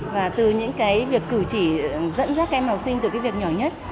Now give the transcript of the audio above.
và từ những cái việc cử chỉ dẫn dắt các em học sinh từ cái việc nhỏ nhất